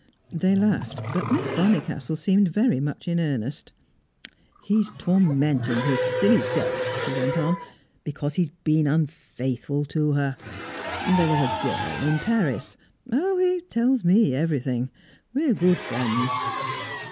They laughed, but Miss Bonnicastle seemed very much in earnest. "He's tormenting his silly self," she went on, "because he has been unfaithful to her. There was a girl in Paris. Oh, he tells me everything! We're good friends.